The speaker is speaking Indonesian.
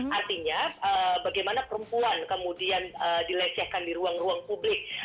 artinya bagaimana perempuan kemudian dilecehkan di ruang ruang publik